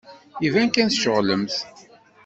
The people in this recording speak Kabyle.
Iban kan tceɣlemt.